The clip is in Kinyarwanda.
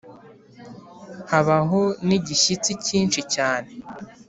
habaho n’igishyitsi cyinshi cyane